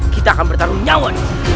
kita akan bertarung nyawa